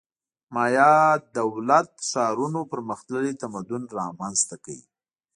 مایا دولت ښارونو پرمختللی تمدن رامنځته کړ